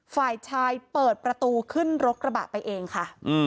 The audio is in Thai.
ฝ่ายชายเปิดประตูขึ้นรถกระบะไปเองค่ะ